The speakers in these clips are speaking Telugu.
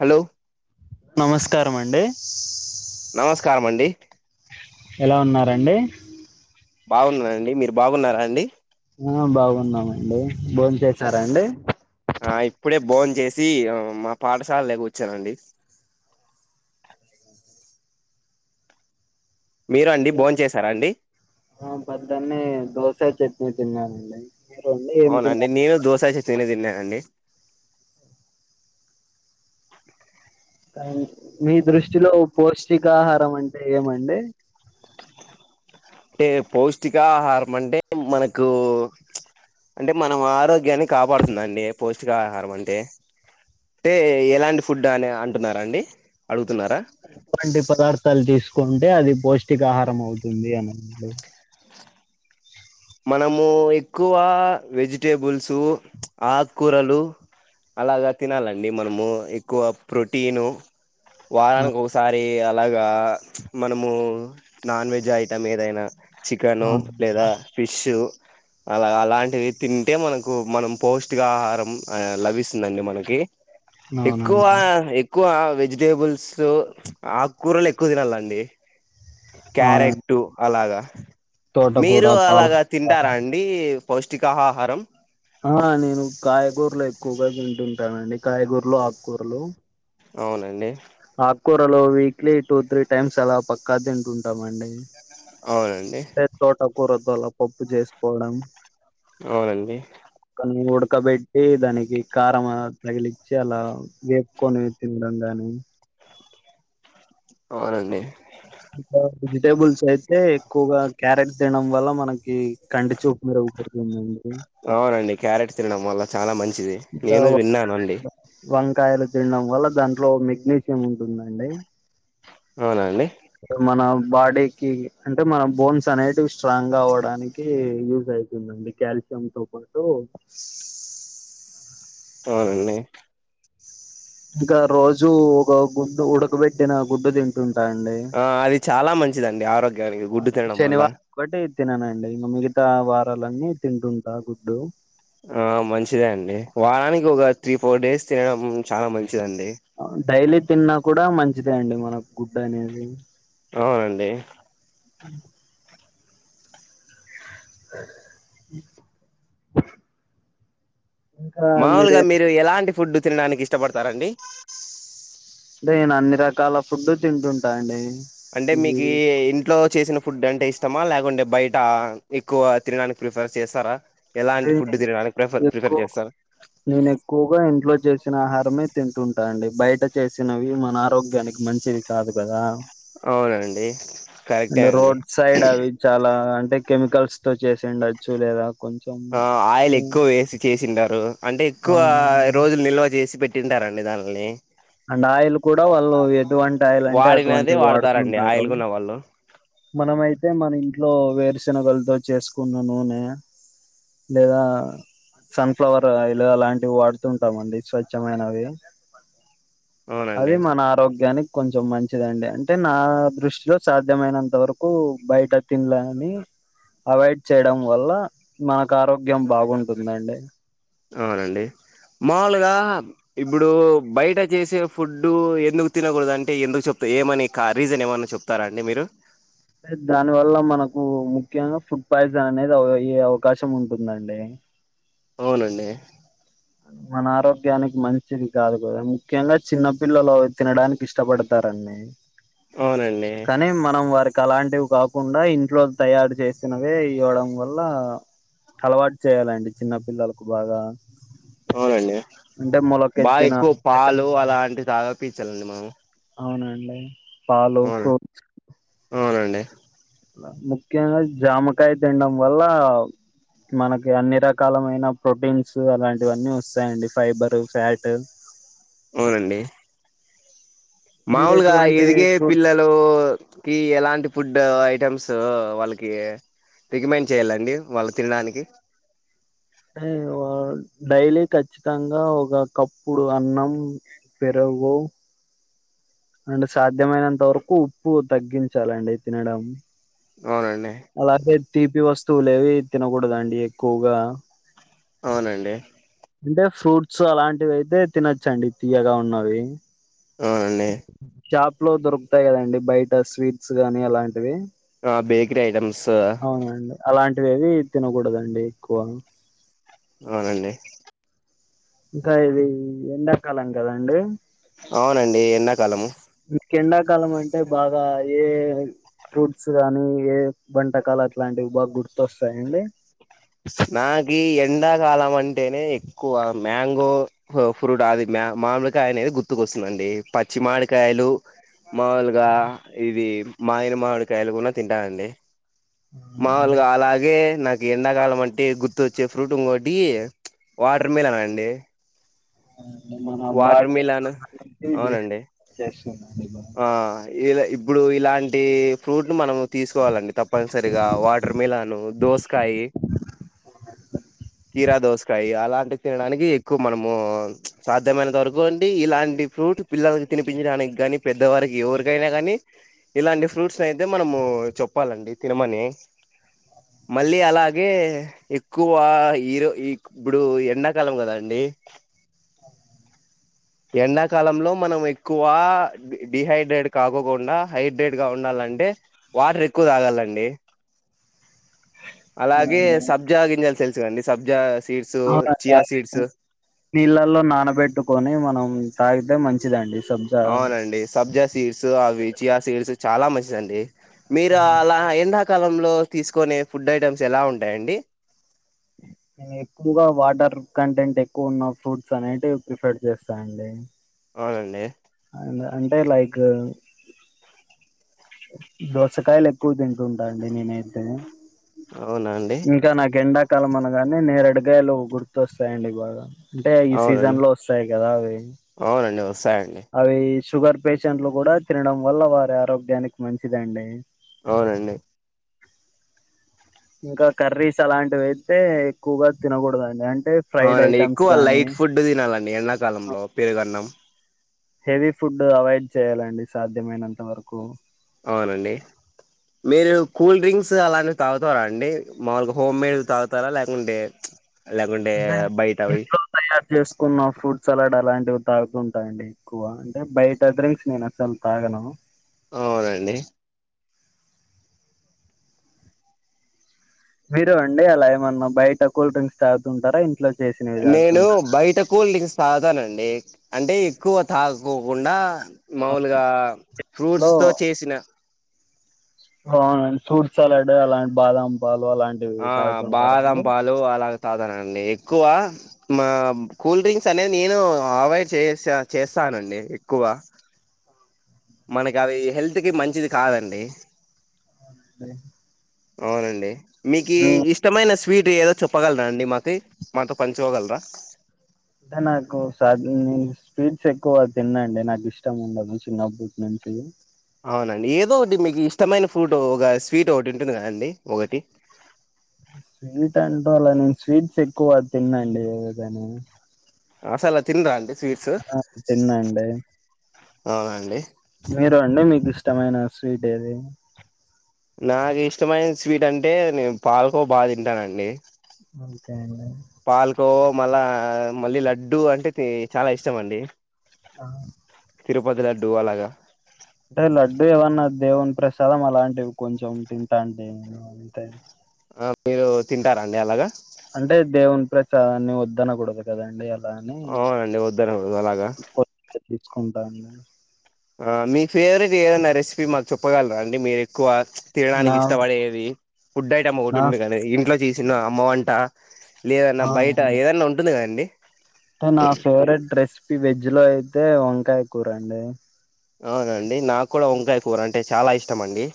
హలో నమస్కారమండి నమస్కారం అండి ఎలా ఉన్నారండి బాగున్నండి మీరు బాగున్నారా అండి బాగున్నామండి భోన్ చేసారా అండి ఆ ఇప్పుడే బోన్ చేసి మా పాఠశాలలో కూర్చునానండి మీరు అండి బోన్ చేసారా అండి ఆ పొద్దున్నే దోశ చట్నీ తిన్నానండి మీరు అండి ఏం అవునండి తిన్నారు నేను దోస చట్నీ తిన్నానండి కానీ మీ దృష్టిలో పౌష్టికాహారం అంటే ఏమండి అంటే పౌష్టికాహారం అంటే మనకు అంటే మనం ఆరోగ్యాన్ని కాపాడుతుందండి పౌష్టికాహారం అంటే అంటే ఎలాంటి ఫుడ్ అని అంటున్నారా అండి అడుగుతున్నారా పిండి పదార్థాలు తీసుకు కుంటే అది పౌష్టికాహారం అవుతుంది అనడి మనము ఎక్కువ వెజిటేబుల్స్ ఆకుకూరలు అలాగా తినాలండి మనము ఎక్కువ ప్రోటీను వారానికి ఒకసారి మరి అలాగా మనము నాన్ వెజ్ ఐటం ఏదైనా చికెను అవును లేదా డు అలా అలాంటివి తింటే మనకు మనం పౌష్టికాహారం లభిస్తుందండి మనకి ఎక్కువ అవునండి ఎక్కువ వెజిటేబుల్స్ ఆకుకూరలు ఎక్కువ తినాలండి క్యారెట్ అవునండి అలాగా తోటకూర మీరు అలాగా పాలకూర తింటారా అండి పౌష్టికాహహారం ఆ నేను కాయగూరలు ఎక్కువగా తింటుంటానండి కాయగూరలు ఆకుకూరలు అవునండి కూరలు వీక్లీ టూ త్రీ టైమ్స్ అలా పక్కా తింటుంటాంండి అవునండి ఆకు కూరలతో పప్పు చేసుకోవడం అవునండి ద ఉడకబెట్టి దానికి కారం తగిలించి అలా వేపుకొని తినడం గాని అవునండి ఇంకా వెజిటేబుల్స్ అయితే ఎక్కువగా క్యారెట్స్ తినడం వల్ల మనకి కంటి చూపు మెరుగుపడుతుందండి అవునండి క్యారెట్ తినడం వల్ల చాలా మంచి ది నేను విన్నానండి కాయలు తినడం వల్ల దాంట్లో మెగ్నీషియం ఉంటుందండి అవునండి మన బాడీకి అంటే మనం బోన్స్ అనేటివి స్ట్రాంగ్ గా అవ్వడానికి యూజ్ అవుతుందండి కాల్సి ఎంతో కొంతో అవునండి ఇంకా రోజు ఒక గుడ్డు ఉడకబెట్టిన గుడ్డు తింటుంటా అండి ఆ అది చాలా మంచిదండి ఆరోగ్యానికి గుడ్డు తినడం వల్ల శనివారం ఒకటి తిననండి ఇంకా మిగతా వారాలన్నీ తింటుంటా గుడ్డు ఆ మంచిదే అండి వారానికి ఒక త్రీ ఫోర్ డేస్ తినడం చాలా మంచిది చిదండి డైలీ తిన్నా కూడా మంచిదే అండి మనకు గుడ్డు అనేది అవునండి అ ఇంకా మీరే మాముూలుగా మీరు ఎలాంటి ఫుడ్ తినడానికి ఇష్ట నేను అన్ని రకాల ఫుడ్డు తింటుంటా అండి అంటే ఇది మీకి ఇంట్లో చేసిన ఫుడ్ అంటే ఇష్ట మా లేకుంటే బయట ఎక్కువ తినడానికి ప్రిఫర్ చేస్తారా ఎలాంటి ఫుడ్ తినడానికి ప్రిఫర్ ఎక్కువ ప్రిఫర్ చేస్తారు నేను ఎక్కువగా ఇంట్లో చేసిన ఆహారమే తింటుంటాను అండి బయట చేసినవి మన ఆరోగ్యానికి మంచిది కాదు కదా అవునండి కరెక్టే అండ్ అండి రోడ్ సైడ్ అవి చాలా అంటే కెమికల్స్ తో చేసిండు వచ్చు లేదా కొంచెం ఆ ఆయిల్ ఎక్కువ వేసి చేసింటారు అంటే ఎక్కువ అవునండి రోజులు నిల్వ చేసి పెట్టి పట్టింటారండి దానిల్ని అండ్ ఆయిల్ కూడా వాళ్ళు ఎటువంటి ఆయిల్ అంటే వాడినదే అటువంటివి వాడతారండి వాడుతుంటారు ఆయిల్ కొన్న వాళ్ళు మనమైతే మన ఇంట్లో వేరుశెనగలతో చేసుకున్న నూనె లేదా సన్ఫ్లవర్ ఆయిల్ అలాంటివి వాడుతుంటామండి స్వచ్ఛమైనవి అది అవునండి మన ఆరోగ్యానికి కొంచెం మంచిదండి అంటే నా దృష్టిలో సాధ్యమైనంత వరకు బయట తినలే అని అవాయిడ్ చేయడం వల్ల నాకు ఆరోగ్యం బాగుంటుందండి అవునండి మాములుగా ఇప్పుడు బయట చేసే ఫుడ్ ఎందుకు తినకూడదు అంటే ఎందుకు చెప్త ఏమని రీజన్ ఏమన్నా చెప్తారా అండి మీరు దాని వల్ల మనకు ముఖ్యంగా ఫుడ్ పాయిజన్ అనేది అవకాశం ఉంటుందండి అవునండి మన ఆరోగ్యానికి మంచిది కాదు కదా ముఖ్యంగా చిన్నపిల్లలు తినడానికి ఇష్టపడతారండి న్నా అవునండి ఇంక అలాంటివి కాకుండా ఇంట్లో తయారు చేసినవే ఇవ్వడం వల్ల అలవాటు చేయాలండి చిన్న పిల్లలకు బాగా, అవునండి అంటే బాగా మొలకెత్తిన ఎక్కువ పెసలు పాలు అలాంటివి తాగాపించాలండి మనం. అవునండి పాలు అవును ఫ్రూట్స్ అవునండి ముఖ్యంగా జామకాయ తినడం వల్ల మనకి అన్ని రకాలమైన ప్రోటీన్స్ అలాంటివన్నీ వస్తాయండి ఫైబరు ఫ్యాట్. అవునండి మీరు మాములుగా ఎటువంటి ఎదిగే ఫ్రూట్స్ పిల్లలుకి ఎలాంటి ఫుడ్ ఫుడ్ ఐటెమ్స్ వాళ్ళకి రికమెండ్ చేయాలండి వాళ్ళు తినడానికి. అ డైలీ ఖచ్చితంగా ఒక కప్పుడు అన్నం పెరగు పో అండ్ సాధ్యమైనంత వరకు ఉప్పు తగ్గించాలండి తినడం. అవునండి అలాగే తీపి వస్తువులేవి తినకూడదండి ఎక్కువగా అవునండి. అంటే ఫ్రూట్స్ అలాంటివైతే తినచ్చండి తీయగా ఉన్నవి అవునండి. షాప్లో దొరుకుతాయి కదండి బయట స్వీట్స్ గానీ అలాంటివి. ఆ బేకరి ఐటెమ్స్ ఇవేవి తినకుడదండి ఎక్కువ. అవునండి. ఇంకా ఇది ఎండాకాలం కదండి. అవునండి ఎండాకాలము. మీకు ఎండాకాలం అంటే బాగా యే ఫ్రూట్స్ గానీ ఏ వంటకాలట్లాంటివి బాగా గుర్తొస్తాయండి. నాకీ ఏ ఎండాకాలమంటేనే ఎక్కువ మ్యాంగో ఫ్రూ ఫ్రూటది మామిడికాయనేది గుర్తుకొస్తు ందండి. పచ్చిమామిడికాయలు. మాములుగా ఇది మాగిన మామిడికాయలు కూనా తింటానండి. అవునండి మాముూలుగా అలాగే నాకు ఎండాకాలమ ంటే గుర్తోచ్చే ఫ్రూట్ ఇంకోటి వాటర్ మిలనండి. మన అవునండి [unintelligible] బాగా ఆ ఇలా ఇప్ ఇప్పుడు ఇలాంటి ఫ్రూట్లు మనం తీసుకోవాలండి తప్పనిసరిగా వాటర్ మిలాను దోసకాయి. అ కీరా దోసకాయి అలాంటివి తినడానికి ఎక్కువ మనము సాధ్యమైనంత వరకు అండి ఇలాంటి ఫ్రూట్ పిల్లలకు తినిపించడానికి గానీ, పెద్దవారికి ఎవరికైనా కానీ ఇలాంటి ఫ్రూట్స్ అయితే మనము చెప్పాలండి తినమని. మళ్ళీ అలాగే ఎక్కువ ఈరో ఈక్ ఇప్పుడు ఎండాకాలం కదాండి. ఎ ఎండాకాలంలో మనం ఎక్కువ డి డిహైడ్రేట్ కాకోకుండా హైడ్రేట్ గా ఉండాల అంటే వాటర్ ఎక్కువ తాగాలండి.. అలాగే అవునండి సబ్జా గింజలు తెలుసు కదండి సబ్జా సీడ్స్ అవునండి చీయా సీడ్స్ అవి నీళ్ళల్లో నానబెట్టుకొని మనం తాగితే మంచిదండి. సబ్జా అవునండి. సబ్జా సీడ్స్ అవి చీయా సీడ్స్ చాలా మంచిదండి. మీరు అవును అలా ఎండా కాలంలో తీసుకొనే ఫుడ్ ఐటెమ్స్ ఎలా ఉంటాయండి. నేను ఎక్కువగా వాటర్ కంటెంట్ ఎక్కువున్న ఫ్రూట్స్ అనేటివి ప్రిఫర్డ్ చేస్తా అండి. అవునండి. అండ్ అంటే లైక్ దోసకాయలు ఎక్కువ తింటుంటా అండి నేనైతే అవునా అండి ఇంకా నాకేండాకాల మనగానే నేరడుకాయలు గుర్తొస్తాయండి బాగా అంటే ఈ అవునండి సీజన్లో వస్తాయి కదా అవి అవునండి వస్తాయండి అవీ షుగర్ పేషెంట్లు కూడా తినడం వల్ల వారి ఆరోగ్యానికి మంచిదండి. అవునండి. ఇంకా కర్రీస్ అలాంటివైతే ఎక్కువగా తినకూడదండి అంట్ అవునండి. ఎక్కువ లైట్ ఫుడ్ తినాలండి ఎండాకాలంలో పెరుగన్నం. హెవీ ఫుడ్ అవాయిడ్ చేయాలండి సాధ్యమైనంత వరకు. అవునండి. మీరు కూల్ డ్రింక్స్ అలాంటివి తాగుతారా అండి. మాములుగా హోమ్మేడ్ తాగుతారా ల్యాకుంటే అంటే ఇంట్లో తయారు చేసుకున్న ఫుడ్ సలాడ్ అలాంటివి తాగుతుంటా అండి ఎక్కువ అంటే బయట డ్రింక్స్ నేను అస్సలు తాగను. అవునండి. మీరు అండి అలా ఏమన్నా బయట కూల్ డ్రింక్స్ తాగుతుంటారా? ఇంట్లో చేసినవి నేను తాగుతుంటారా బయట కూల్ డ్రింక్స్ తాగనండి. అంటే ఎక్కువ తాగకోకుండా. మాములుగా లో ఫ్రూట్స్ తో చేసిన, అవునండి. ఫ్రూట్ సలాడ్ అలాంటి బాదాం పాలు అలాంటివి ఆ బాదం తాగుతుంటారండి పాలు అలా కాదనఅండి ఎక్కువ మా కూల్ డ్రింక్స్ అనేది నేను అవాయిడ్ చే చేస్తా. కాదండి ఎక్కువ. మనకి అది హెల్త్ కి మంచిది కాదండి. ఉ అవునండి మీకి ఇష్టమైన స్వీట్ ఏదో చెప్పగలరా అండి మాకు మాతో పంచుకోగలరా? అంటే నాకు సాధ్యం న స్పీడ్స్ ఎక్కువ తిననండి. నాకు ఇష్టం ఉండదు చిన్నప్పటి నుంచి ఉ అవునండి ఏదో ఒకటి మీకు ఇష్టమైన ఫ్రుట్ ఒక స్వీట్ ఒకటి ఉంటుంది కదండి. ఒకటి స్వీట్ అంటా అలా నేను స్వీట్స్ ఎక్కువ తిన్నండి ఏదైనా అసలు తిన్రా అండి స్వీట్స్? తినండి అవును అండి. మీరు అండి మీకు ఇష్టమైన స్వీట్ ఏది? నాకు ఇష్టమైన స్వీట్ అంటే నేను పాలకోవా బాగా తింటానండి. ఓకే అండి. పాలకో మళ్ళా మళ్ళీ లడ్డూ అంటే చాలా ఇష్టం అండి. ఆ, తిరుపతి లడ్డు అలాగా. అంటే లడ్డు ఏమన్నా దేవుని ప్రసాదం అలాంటివి కొంచెం తింటా అంతే. ఆ మీరు తింటారాండి అలాగా అంటే దేవున్ ప్రసాదాన్ని వద్దనకూడదు కదండి. లాని అవునండి వద్దనకూడదు అలాగా కొత్తది తెప్పిచ్చుకుంటాండి. ఆ మీ ఫేవరెట్ ఏదైనా రెసిపీ మాకు చెప్పగలరా అండి? మీరు ఎక్కువ నా తినడానికి ఇష్టపడేది ఫుడ్ ఐటమ్ ఒకటి నా ఉంటది కదా ఇంట్లో చేసిన అమ్మ వంట. లేదన్నా బయట అవునండి ఏదన్నా ఉంటుంది కదండి. అంటే నా ఫేవరెట్ రెసిపీ వెజ్ లో అయితే వంకాయ కూర అండి. అవునానండి నాకు కూడా వంకాయ కూర అంటే చాలా ఇష్టం అండి.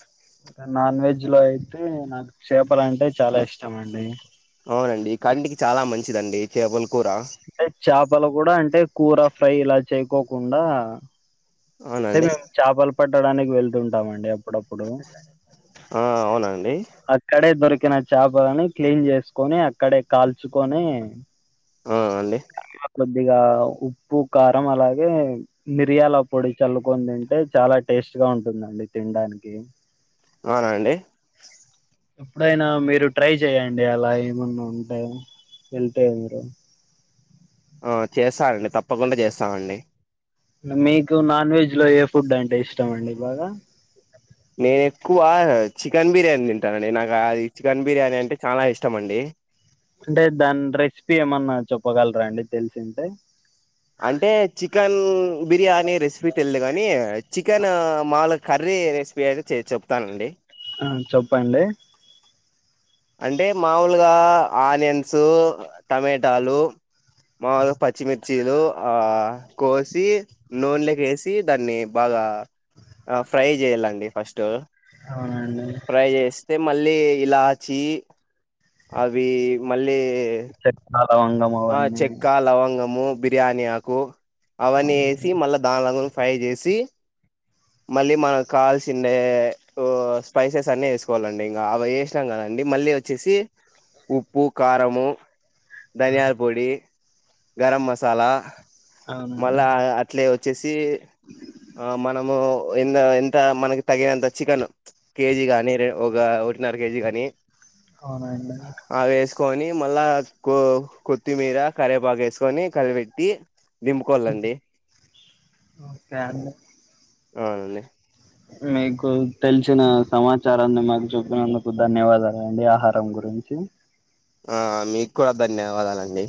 నాన్ వెజ్ లో అయితే నాకు చేపల అంటే చాలా ఇష్టం అండి. అవునండి కంటికి చాలా మంచిదండి చేపలు. అంటే చేపలు కూడా అంటే కూర ఫ్రై ఇలా చేయకోకుండా, అంటే అవునండి మేము చేపలు పట్టడానికి వెళ్తుంటామండి అప్పుడప్పుడు, ఆ అవునాఅండి. తక్కిన చేపలని క్లీన్ చేసుకొని అక్కడే కాల్చుకొని, ఆ అండి కొద్దిగా ఉప్పు, కారం అలాగే మిరియాల పొడి చల్లుకొని తింటే చాలా టేస్ట్. బెస్ట్ గా ఉంటుందండి తినడానికి. అవునానండి? ఎప్పుడైనా మీరు ట్రై చెయ్యడి అలా ఏమన్నా ఉంటాయో. అంతే అంతే ఆ చేస్తానండి తప్పకుండా చేస్తామండి. మీకు నాన్ వెజ్ లో ఏ ఫుడ్ అంటే ఇష్టం అండి? బాగా నేను ఎక్కువ చికెన్ బిర్యానీ తింటానండి. నాకు అది చికెన్ బిర్యానీ అంటే చాలా ఇష్టం అండి. అంటే దాని రెసిపీ ఏమన్నా చెప్పగలరా అండి? తెలిసింటే అంటే చికెన్ బిర్యానీ రెసిపీ తెలిదు కానీ చికెన్ మాములు కర్రీ రెసిపీ అయితే చెప్తానండి. ఆ చెప్పండి. అంటే మామూలుగా ఆనియన్స్ టమేటాలు. మా పచ్చిమిర్చి చ్చీలు ఆ కోసి నూనెలోకేసి దాన్ని బాగా ఆ ఫ్రై చేయాలండి ఫస్ట్ అవునండి ఫ్రై చేస్తే మళ్ళీ ఇలా ఛీ అవి మళ్ళీ. చెక్క లవంగం ఆ అవన్నీ చెక్క లవంగము బిర్యాని ఆకు అవన్నీ అవును. వేసి మళ్ళా దానిలో ఫై చేసి మళ్ళీ మనం కాల్సి ఉండే స్పైసెస్ అన్ని వేసుకోవాలండి ఇంకా అవి వేసినాం కద డి మళ్ళీ వచ్చేసి ఉ పూ కారము ధనియాల పొడి గరం మసాలా అవునండి మళ్ళా అట్లే వచ్చేసి ఆ మనము ఎంత ఎంత మనకి తగినంత చికెన్ కేజీ గాని ఒక ఒకటిన్నర కేజీ గాని అవునండిడి సుకొని మళ్ళా కొత్తిమీర కరివేపాక వేసుకొని కలిపెట్టి దింపుకోవాలండి ఓకే అ అవునండి మీకు తెలిసిన సమాచారాన్ని మాకు చెూప్పినందుకు ధన్యవాదాలండి ఆహారం గురించి గుంచి ఆ మీకు కూడా ధన్యవాదాలండి